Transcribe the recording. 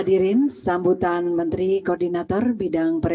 mohon maaf tahulah kami yang bertindak bersatu dengan